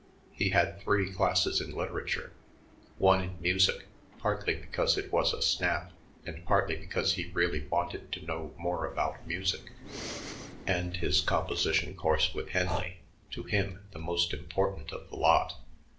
He had three classes in literature, one in music partly because it was a "snap" and partly because he really wanted to know more about music and his composition course with Henley, to him the most important of the lot.